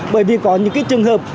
bởi vì có những trường hợp